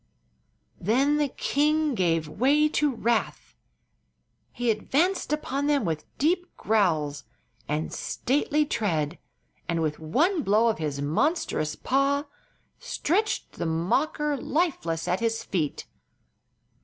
Then the king gave way to wrath. He advanced upon them with deep growls and stately tread and with one blow of his monstrous paw stretched the mocker lifeless at his feet.